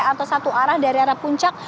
atau satu arah dari arah puncak